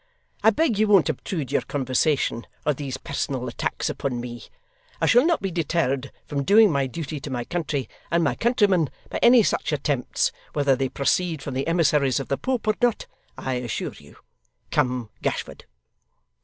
I beg you won't obtrude your conversation, or these personal attacks, upon me. I shall not be deterred from doing my duty to my country and my countrymen, by any such attempts, whether they proceed from emissaries of the Pope or not, I assure you. Come, Gashford!